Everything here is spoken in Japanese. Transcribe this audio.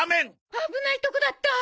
危ないとこだったー！